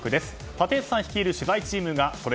立石さん率いる取材チームがソレ